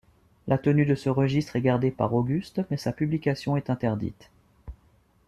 La tenue de ce registre est gardée par Auguste, mais sa publication est interdite.